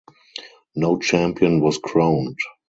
No champion was crowned.